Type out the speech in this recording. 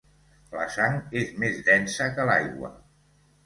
La sang és més densa que l'aigua.